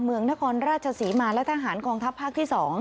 เมืองนครราชศรีมาและทหารกองทัพภาคที่๒